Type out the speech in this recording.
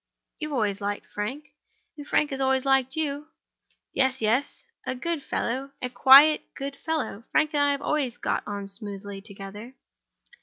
"You always liked Frank. And Frank always liked you." "Yes, yes—a good fellow; a quiet, good fellow. Frank and I have always got on smoothly together."